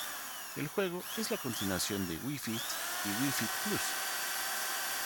El juego es la continuación de Wii Fit y Wii Fit Plus.